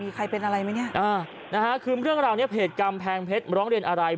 มีใครเป็นอะไรไหมเนี่ยอ่านะฮะคือเรื่องราวเนี้ยเพจกำแพงเพชรร้องเรียนอะไร